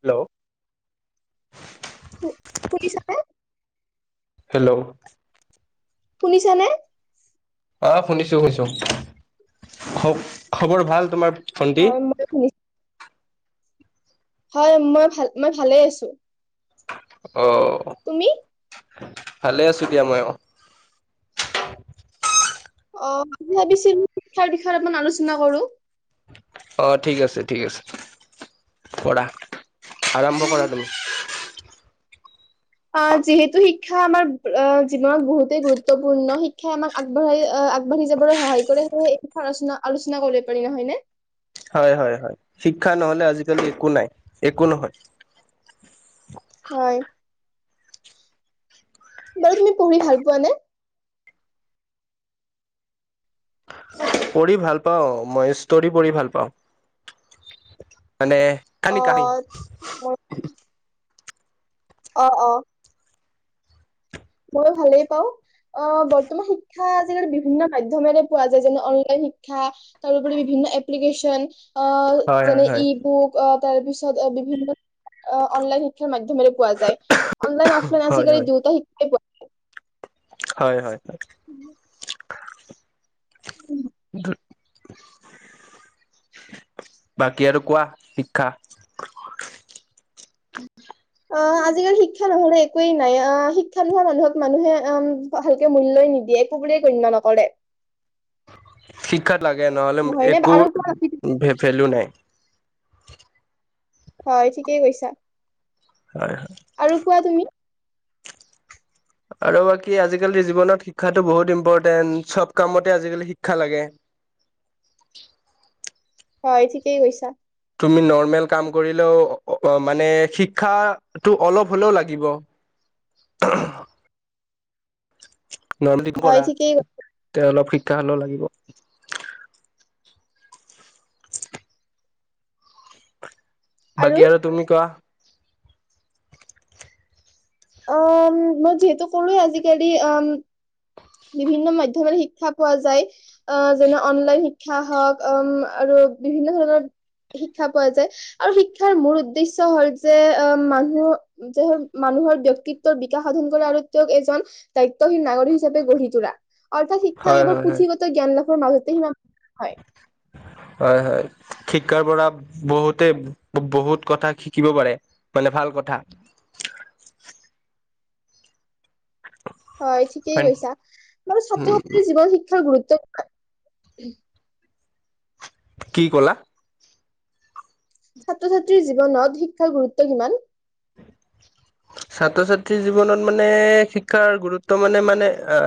Hello. উম, খুলিছা নে? হেল্ল'। শুনিছানে? অ'। শুনিছোঁ শুনিছোঁ, খব-খবৰ ভাল? তোমাৰ ভণ্টি হয় মই শুনি হয় মই ভাল, মই ভালেই আছোঁ। অ তুমি? ভালে আছোঁ দিয়া মই অ'। অ', আমি ভাবিছিলোঁ শিক্ষাৰ বিষয়ে অলপমান আলোচনা কৰোঁ। অ', ঠিক আছে। ঠিক আছে। কৰা। আৰম্ভ উম, কৰা তুমি। অহ যিহেতু শিক্ষা আমাৰ অ, জীৱনত বহুতেই গুৰুত্বপূৰ্ণ শিক্ষাই আমাক আগবাঢ়াই অ, আগবঢ়ি যাবলৈ সহায় কৰে। সেয়হে [unintelligible] আলোচনা আলোচনা কৰিব পাৰি, নহয়নে? হয় হয় হয়, শিক্ষা নহ'লে আজিকালি একো নাই, একো নহয়। হয়। বাৰু তুমি পঢ়ি ভাল পোৱা নে? পঢ়ি ভাল পাওঁ, মই ষ্টৰি পঢ়ি ভাল পাওঁ। মানে কানি কাহি অ'। অ', অ'। ময়ো ভালেই পাওঁ। অ', বৰ্তমান শিক্ষা আজিকালি বিভিন্ন মাধ্যমেৰে পোৱা যায়। যেনে, অনলাইন শিক্ষা তাৰোপৰি বিভিন্ন এপলিকেচন অ, হয় হয় যেনে হয় ই বুক, অ'। তাৰপিছত এ, বিভিন্ন অ, অনলাইন শিক্ষাৰ মাধ্যমৰে পোৱা যায়। অনলাইন অফলাইন হয় আজিকালি দুয়োটা শিক এই হয় হয়। [inaudible] ধু বাকী আৰু কোৱা শিক্ষা। অ', আজিকালি শিক্ষা নহলে একোৱেই নাই, আহ শিক্ষা নোহোৱা মানুহক মানুহে ভালকে মূল্যয় নিদিয়ে, একোবোৰে গণ্য নকৰে। শিক্ষাত লাগে নহ'লে নহয় নে একো আৰু কোৱা ভে-ভেলু নাই। হয় ঠিকেই কৈছা। হয় হয় আৰু কোৱা তুমি। আৰু বাকী আজিকালিৰ জীৱনত শিক্ষাটো বহুত ইম্পৰটেন্ট, চব কামতে আজিকালি শিক্ষা লাগে। হয় ঠিকেই গৈছা। তুমি নৰ্মেল কাম কৰিলেও মানে শিক্ষাটো অলপ হ'লেও লাগিব। বৰ্মেলিক হয় কৰা, ঠিকেই কৈছা। তেওঁ অলপ গালো লাগিব। বাকী আৰু তুমি কোৱা। অ', মই যিহেতু কৰোৱেই আজিকালি, আ, বিভিন্ন মাধ্যমেৰ শিক্ষা পোৱা যায়, আ, যেনে অনলাইন শিক্ষা হওঁক, উম, আৰু বিভিন্ন ধৰণৰ শিক্ষা পোৱা যায়, আৰু শিক্ষাৰ মূল উদ্দেশ্য হ'ল যে, অ', মানুহ যে, মানুহৰ ব্য ব্যক্তিত্বৰ বিকাশ সাধন কৰা আৰু তেওঁক এজন দায়িত্বশীল নাগৰিক হিচাপে গঢ়ি তোলা। অৰ্থাৎ শিক্ষাক হয় এবাৰ হয় হয়। পুথিগত জ্ঞান লাভৰ মাজত [unintelligible] হয় হয়। শিক্ষাৰ পৰা বহুতে, বহুত কথা শিকিব পাৰে, মানে ভাল কথা। হয়, ঠিকেই উম কৈছা। মোৰ ছাত্ৰ ছাত্ৰীৰ জীৱন শিক্ষাৰ গুৰু [unintelligible] কি ক'লা? ছাত্ৰ ছাত্ৰীৰ জীৱনত শিক্ষাৰ গুৰুত্ব কিমান? ছাত্ৰ ছাত্ৰীৰ জীৱনত মানে শিক্ষাৰ গুৰুত্ব মানে, মানে আ,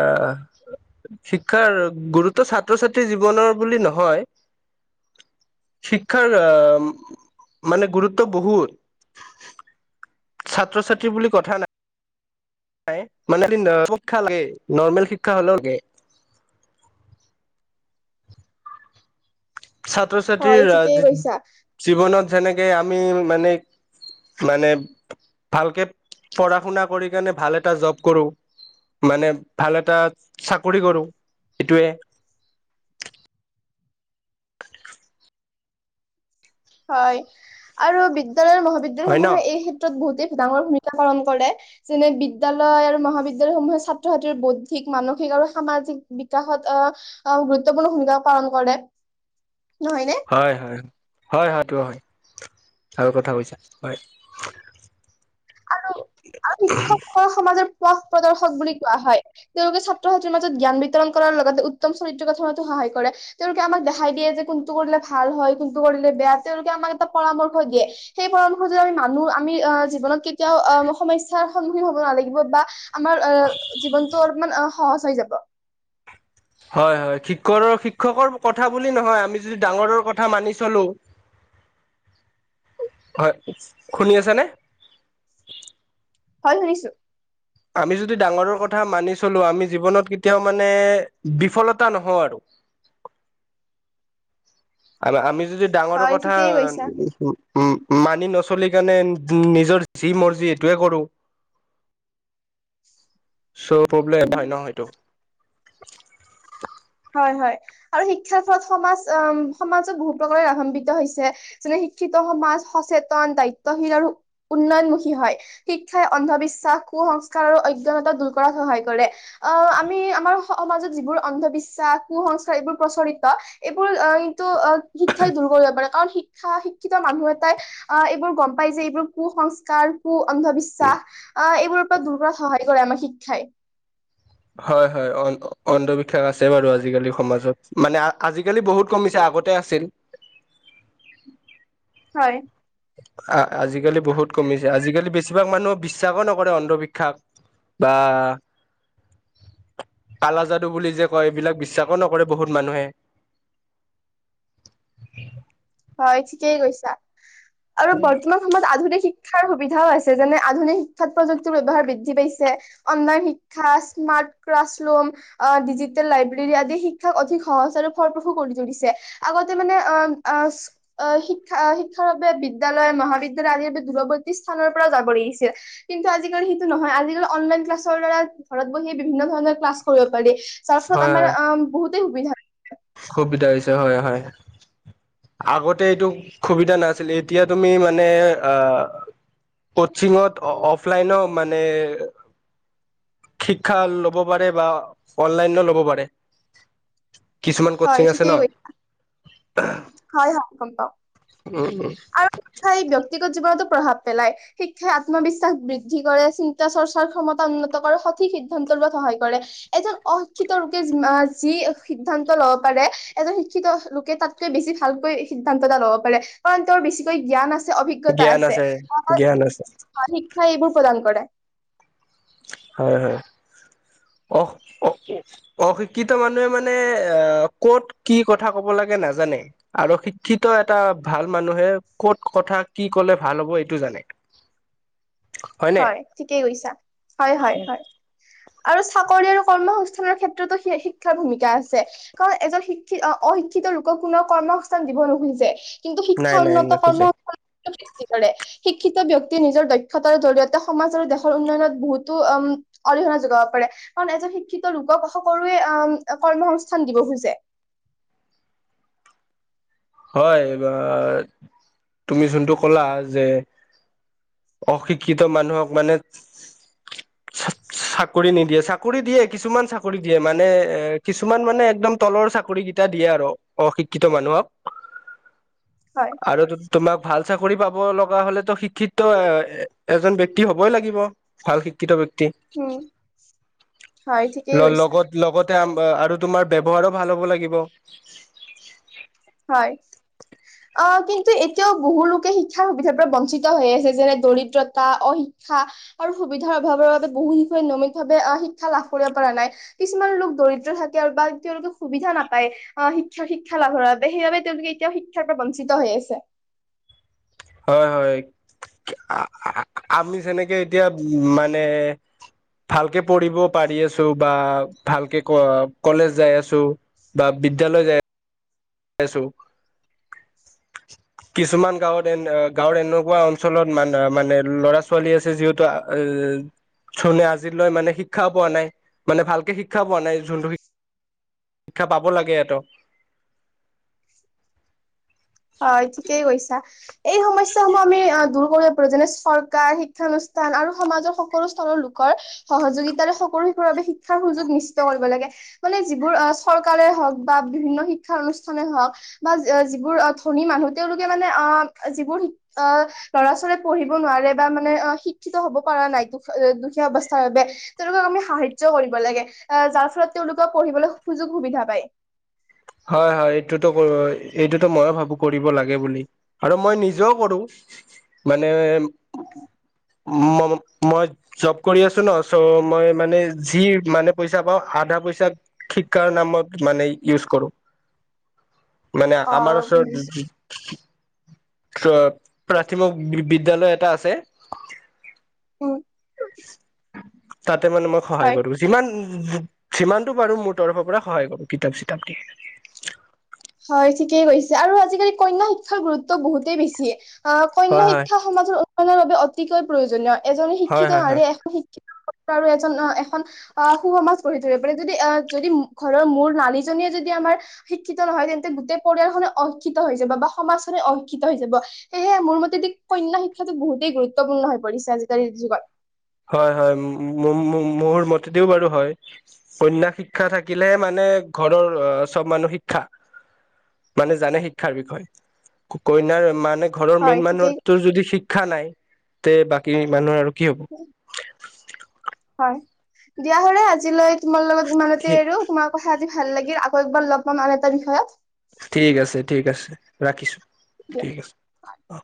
শিক্ষাৰ গুৰুত্ব ছাত্ৰ ছাত্ৰীৰ জীৱনৰ বুলি নহয়, শিক্ষাৰ আ, মানে গুৰুত্ব বহুত। ছাত্ৰ ছাত্ৰী বুলি কথা না নাই মানে [inaudible] নৰ্মেল শিক্ষা হ'লেও লাগে। ছাত্ৰ হয় ছাত্ৰীৰ আ, ঠিকেই কৈছা। জীৱনত যেনেকে আমি মানে, মানে ভালকে পঢ়া শুনা কৰি কেনে ভাল এটা জব কৰোঁ, মানে ভাল এটা চাকৰি কৰোঁ, সেইটোৱে হয়, আৰু বি বিদ্যালয়, মহাবিদ্যালয় হয় ন সমূহে এই ক্ষেত্ৰত বহুতে ডাঙৰ ভূমিকা পালন কৰে যেনে, বিদ্যালয় আৰু মহাবিদ্যালয়সমূহে ছাত্ৰ ছাত্ৰীৰ বৌদ্ধিক, মানসিক আৰু সামাজিক বিকাশত আ, আ, গুৰুত্বপূৰ্ণ ভূমিকা পালন কৰে। নহয়নে? হয় হয়। হয় হয়টো হয়, ভাল কথা কৈছা হয়। আৰু আৰু শিক্ষক সমাজৰ শাস প্ৰদৰ্শক বুলি কোৱা হয়। তেওঁলোকে ছাত্ৰ ছাত্ৰীৰ মাজত জ্ঞান বিতৰণ কৰাৰ লগতে উত্তম চৰিত্ৰ গঠনতো সহায় কৰে। তেওঁলোকে আমাক দেখাই দিয়ে যে, কোনটো কৰিলে ভাল হয়, কোনটো কৰিলে বেয়া তেওঁলোকে আমাক এটা পৰামৰ্শ দিয়ে। সেই পৰামৰ্শ যদি আমি মানো আমি অ, জীৱনত কে তেওঁ অহ ম সমস্যাৰ সন্মুখীন হ'ব নালাগিব বা আমাৰ অ, জীৱনতটো অলপমান অ' সহজ হৈ যাব। হয় হয় শিক্ষৰৰ শিক্ষকৰ কথা বুলি নহয় আমি যদি ডাঙৰৰ কথা মানি চলো। হয় শুনি আছানে? হয় শুনিছোঁ। আমি যদি ডাঙৰৰ কথা মানি চলো, আমি জীৱনত কেতিয়াও মানে বিফলতা নহওঁ আৰু। আৰু আমি যদি ডাঙৰ হয় কথা, ঠিকেই কৈছা। উম মানি নচলি কাৰণে নি-নিজৰ যি মৰ্জি এইটোৱে কৰো। চো প্ৰব্লেম উম নহয় ন' হেইটো। হয় হয় আৰু শিক্ষাৰ ফলত সমাজ উম সমাজত বহু প্ৰকাৰে লাভান্বিত হৈছে। যেনে শিক্ষিত সমাজ সচেতন দায়িত্বশীল আৰু উন্নয়নমুখী হয়। শিক্ষাই অন্ধবিশ্বাস কুসংস্কাৰ আৰু অজ্ঞানতা দূৰ কৰাত সহায় কৰে। অ' আমি আমাৰ সমাজত যিবোৰ অন্ধবিশ্বাস কু-সংস্কাৰ এইবোৰ প্ৰচলিত এইবোৰ অই অ' শিক্ষাই দূৰ কৰিব পাৰে। কাৰণ শিক্ষাৰ শিক্ষা শিক্ষিত মানুহ এটাই আহ এইবোৰ গম পাই যে এইবোৰ কু-সংস্কাৰ, কু অন্ধবিশ্বাস আহ এইবোৰৰ ওপৰত দূৰ কৰাত সহায় কৰে আমাৰ শিক্ষ হয়। হয়, হয় অন্ধবিশ্বাস আছে বাৰু আজিকালি সমাজত মানে আজিকালি বহুত কমিছে আগতে আছিল। হয়। আহ আজিকালি বহুত কমিছে আজিকালি বেছিভাগ মানুহে বিশ্বাসো নকৰে অন্ধবিশ্বাস বা কালাযাদু বুলি যে কয় এইবিলাক বিশ্বাসো নকৰে বহুত মানুহে। হয়, ঠিকেই কৈছা। আৰু বৰ্তমান সময়ত আধুনিক শিক্ষা শিক্ষাৰ সুবিধাও আছে যেনে আধুনিক শিক্ষাত প্ৰযুক্তিৰ ব্যৱহাৰ বৃদ্ধি পাইছে অনলাইন শিক্ষা, স্মাৰ্ট ক্লাছৰুম আহ ডিজিটেল লাইব্ৰেৰী আদি শিক্ষাক অধিক সহজ আৰু ফলপ্ৰসু কৰি তুলিছে। আগতে মানে অ' আহ-আহ শিক্ষা শিক্ষাৰ বাবে বিদ্যালয় মহাবিদ্যালয় আদিৰ দূৰৱৰ্তী স্থানৰ পৰাও যাব লাগিছিল। কিন্তু আজিকালি সেইটো নহয় আজিকালি অনলাইন ক্লাছৰ দ্বাৰা ঘৰত বহিয়ে বিভিন্ন ধৰণৰ ক্লাছ কৰিব পাৰি। তাৰ পিছত আমাৰ অ' বহুত সুবিধা সুবিধা হৈছে হয় হয়। আগতে এইটো সুবিধা নাছিল এতিয়া তুমি মানে আহ কচিঙত অফলাইনো মানে শিক্ষা ল'ব পাৰে বা অনলাইন ল'ব পাৰে। কিছুমান হয় কচিং আছে ন! ঠিকেই [unintelligible] হয় হয় গম পাও। উম হুম। ব্যক্তিগত জীৱনতো প্ৰভাৱ পেলায় শিক্ষাই আত্মবিশ্বাস বৃদ্ধি কৰে চিন্তা চৰ্চাৰ ক্ষমতা উন্নত কৰে সঠিক সিদ্ধান্ত লোৱাত সহায় কৰে। এজন অশিক্ষিত লোকে যি সিদ্ধান্ত লব পাৰে এজন শিক্ষিত লোকে তাতকৈ বেছি ভালকৈ সিদ্ধান্ত এটা লব পাৰে। তেওঁৰ বেছিকৈ জ্ঞান আছে অভিজ্ঞতা আছে জ্ঞান আছে শিক্ষা এইবোৰ প্ৰদান হয়। হয় হয় অহ-অহ অশিক্ষিত মানুহে মানে এ ক'ত কি কথা কব লাগে নাজানে আৰু শিক্ষিত এটা ভাল মানুহে ক'ত কথা কি কলে ভাল হ'ব এইটো জানে। হয়নে হয়, ঠিকেই কৈছা। হয় হয় হয়। আৰু চাকৰি আৰু কৰ্মসস্থানৰ ক্ষেত্ৰতো শিক্ষাৰ ভূমিকা আছে কাৰণ এজন শিক্ষিত অশিক্ষিত লোকক কোনে কৰ্মসংস্থান দিব নোখোজে। কিন্তু শিক্ষা নাই নাই উন্নত নোখোজে কৰ্ম [unintelligible] সৃষ্টি কৰে। শিক্ষিত ব্যক্তিয়ে নিজৰ দক্ষতাৰ জৰিয়তে সমাজ আৰু দেশৰ উন্নয়নত বহুতো উম অৰিহণা যোগাব পাৰে, কাৰণ এজন শিক্ষিত লোকক সকলোৱে আ কৰ্মসস্থান দিব খোজে। হয়, তুমি যোনটো কলা যে, অশিক্ষিত মানুহক মানে চা চাকৰি নিদিয়ে, চাকৰি দিয়ে কিছুমান চাকৰি দিয়ে, মানে এ কিছুমান মানে একদম তলৰ চাকৰিকেইটা দিয়ে আৰু অশিক্ষিত মানুহক। হয় আৰু তোমাক ভাল চাকৰি পাব লগা হলেতো শিক্ষিত এ এজন ব্যক্তি হ'বই লাগিব ভাল শিক্ষিত ব্যক্- -ক্তি উম হয় ঠিকেই কৈছা লগত লগতে আম আৰু তোমাৰ ব্যৱহাৰো ভাল হ'ব লাগিব। হয়, অ কিন্তু এতিয়াও বহু লোকে শিক্ষাৰ সুবিধাৰ পৰা বঞ্চিত হৈ আছে যেনে দৰিদ্ৰতা অশিক্ষা আৰু সুবিধাৰ অভাৱৰ বাবে বহু শিশুৱে নিয়মিতভাৱে শিক্ষা লাভ কৰিব পৰা নাই কিছুমান লোক দৰিদ্ৰ থাকে বা তেওঁলোকে সুবিধা নাপায় আ শিক্ষা শিক্ষা লাভৰ বাবে। সেইবাবে তেওঁলোকে এতিয়াও শিক্ষাৰ পৰা বঞ্চিত হৈ আছে। হয়, হয়, আ আ। আমি যেনেকে এতিয়া উ মানে, ভালকে পঢ়িব পাৰি আছো বা ভালকে ক কলেজ যাই আছো বা বিদ্যালয় যাই আছো, কিছুমান গাঁৱত এ গাঁৱৰ এনেকুৱা অঞ্চলত মান মানে লৰা ছোৱালী আছে যিহেতু জোনে আজিলৈ মানে শিক্ষা পোৱা নাই মানে ভালকে শিক্ষা পোৱা নাই যোনটো শিক্ষা পাব লাগে হে হয় ঠিকেই কৈছা। এই সমস্যা সমূহ আমি দূৰ কৰিব পাৰোঁ যেনে চৰকাৰ, শিক্ষানুষ্ঠান আৰু সমাজৰ সকলো স্তৰৰ লোকৰ সহযোগিতাৰে সকলো শিশুৰ বাবে শিক্ষাৰ সুযোগ নিশ্চিত কৰিব লাগে। মানে যিবোৰ আহ চৰকাৰে হওঁক বা বিভিন্ন শিক্ষা অনুষ্ঠানে হওক বা যিবোৰ অ ধনী মানুহ তেওঁলোকে মানে আহ যিবোৰ শিক আহ ল'ৰা ছোৱালীয়ে পঢ়িব নোৱাৰে বা মানে শিক্ষিত হব পৰা নাই দু দুখীয়া অৱস্থাৰ বাবে তেওঁলোকক আমি সাহাৰ্য কৰিব লাগে, আহ যাৰ ফলত তেওঁলোকেও পঢ়িবলৈ সুযোগ সুবিধা পায়। হয় হয় এইটোতো কই এইটোতো মই ভাবো কৰিব লাগে বুলি, আৰু মই নিজেও কৰোঁ মানে ম ম মই জব কৰি আছো ন চ' মই মানে যি মানে পইচা পাওঁ আধা পইচা শিক্ষাৰ নামত মানে ইউজ কৰো। মানে অ আমাৰ বুজিছো ওচৰত প্ৰ প্ৰাথমিক বিদ্যালয় এটা আছে। উম। তাতে মানে মই সহায় হয় কৰো যিমান উ যিমানটো পাৰো মোৰ তৰফৰ পৰা সহায় কৰো কিতাপ চিতাপ দি। [inaudible] হয় ঠিকেই কৈছে, আৰু আজিকালি কন্যা শিক্ষাৰ গুৰুত্ব বহুতেই বেছি। আ কন্যা হয় হয় শিক্ষা সমাজৰ বাবে অতিকৈ প্ৰয়োজনীয় এজন শিক্ষিত হয় হয় হয় নাৰীয়ে এখন শিক্ষি আৰু এজন এখন আহ সু সমাজ গঢ়ি তুলিব পাৰে, যদি আহ যদি ঘৰৰ মোৰ নাৰীজনীয়ে যদি আমাৰ শিক্ষিত ত নহয় তেন্তে গোটেই পৰিয়ালখনে অশিক্ষিত হৈ যাব বা সমাজখনে অশিক্ষিত হৈ যাব, সেয়েহে মোৰ মতেদি কন্যা শিক্ষাটো বহুতেই গুৰুত্বপূৰ্ণ হৈ পৰিছে আজিকালিৰ যুগত। হয় হয় মম মোৰ মতেদিও বাৰু হয়, কন্যা শিক্ষা থাকিলেহে মানে ঘৰৰ চব মানুহ শিক্ষা মানে জানে শিক্ষাৰ বিষয়ে। কন্যাৰ মানে ঘৰৰ হয় মেইন ঠিকেই মানুহটোৰ যদি শিক্ষ শিক্ষা নাই তে বাকী মানুহৰ আৰু কি হ'ব? হয়। দিয়া হলে আজিলৈ তোমাৰ লগত ইমানতে ঠিক এৰো তোমাৰাকো কথাত যদি ভাল লাগিল আকৌ এবাৰ লগ পাম আৰু এটা বিষয়ত। ঠিক আছে! ঠিক আছে! ৰাখিছো। দিয়া ঠিক আছে। আহ!